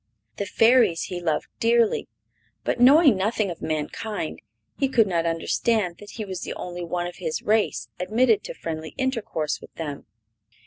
The Fairies he loved dearly, but, knowing nothing of mankind, he could not understand that he was the only one of his race admitted to friendly intercourse with them.